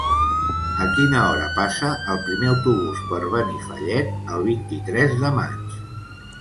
A quina hora passa el primer autobús per Benifallet el vint-i-tres de maig?